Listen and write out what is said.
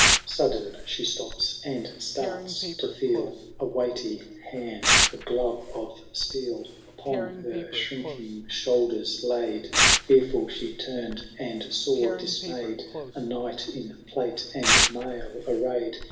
Sudden ihe stops— and starts to feel A weighty hand, a glove of steel. Upon her shrinking shoulders laid ; Fetuful she tumM, and saw, dismayed, A Knight in plate and mail arrayed.